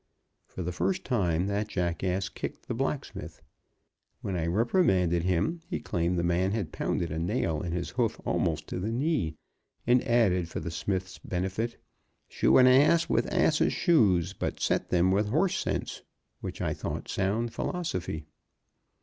For the first time that jackass kicked the blacksmith. When I reprimanded him, he claimed the man had pounded a nail in his hoof almost to the knee, and added, for the smith's benefit, "Shoe an ass with ass's shoes, but set them with horse sense." Which I thought sound philosophy.